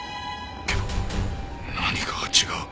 けど何かが違う